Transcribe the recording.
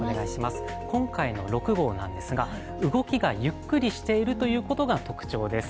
今回の６号なんですが、動きがゆっくりしているということが特徴です。